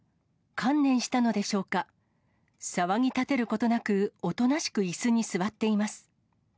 観念したのでしょうか、騒ぎ立てることなく、おとなしくいすに座っています。